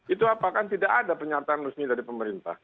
itu apakah tidak ada penyertaan resmi dari pemerintah